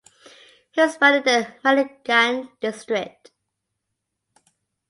He was buried in Manikganj District.